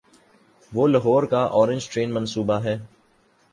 وہ لاہور کا orange train منصوبہ ہے۔